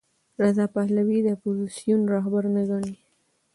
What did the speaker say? رضا پهلوي د اپوزېسیون رهبر نه ګڼي.